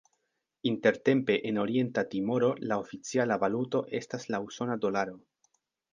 Intertempe en Orienta Timoro la oficiala valuto estas la usona dolaro.